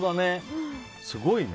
すごいね。